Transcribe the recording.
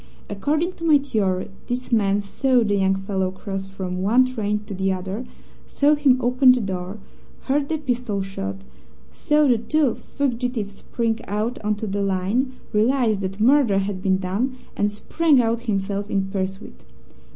According to my theory, this man saw the young fellow cross from one train to the other, saw him open the door, heard the pistol shot, saw the two fugitives spring out on to the line, realized that murder had been done, and sprang out himself in pursuit.